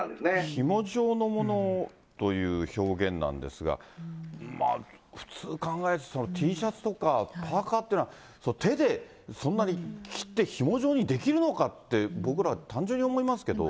ひも状のものという表現なんですが、普通考えて、Ｔシャツとか、パーカーっていうのは、手でそんなに切ってひも状にできるのかって、僕ら、単純に思いますけど。